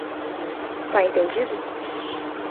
Tá entendido?